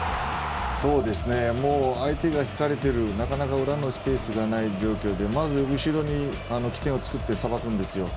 そうですね。も相手が引かれていてなかなか裏のスペースがない状況でまず後ろに起点を作ってさばくんですよ。